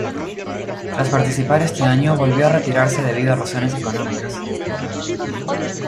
Tras participar este año, volvió a retirarse debido a razones económicas.